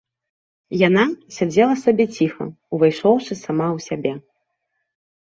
Яна сядзела сабе ціха, увайшоўшы сама ў сябе.